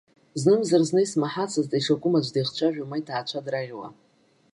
Знымзар-зны исмаҳацызт ишакәым аӡәы дихцәажәо, ма иҭаацәа драӷьуа.